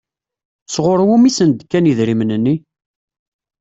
Sɣur wumi i sen-d-kan idrimen-nni?